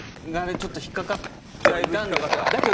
ちょっと引っかかってはいたんですけど。